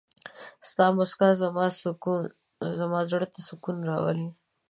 ستا مسکا زما زړه ته سکون راولي.